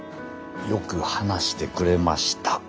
よく話してくれました。